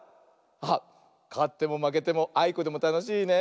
あっかってもまけてもあいこでもたのしいね。